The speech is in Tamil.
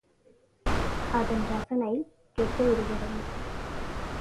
அதன் ரசனை கெட்டு விடுகிறது.